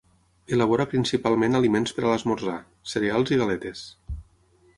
Elabora principalment aliments per a l'esmorzar, cereals i galetes.